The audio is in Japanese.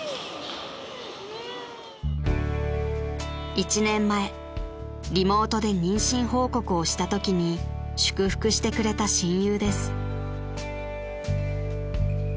［一年前リモートで妊娠報告をしたときに祝福してくれた親友です］